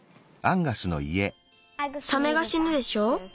サメがしぬでしょう。